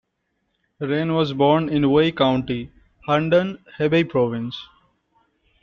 Ren was born in Wei County, Handan, Hebei province.